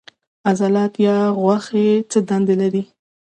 عضلات یا غوښې څه دنده لري